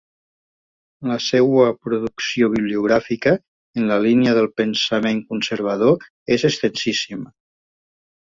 La seua producció bibliogràfica, en la línia del pensament conservador, és extensíssima.